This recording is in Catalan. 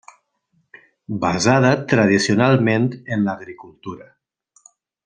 Basada tradicionalment en l'agricultura.